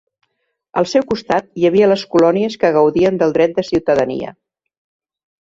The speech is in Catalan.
Al seu costat hi havia les colònies que gaudien del dret de ciutadania.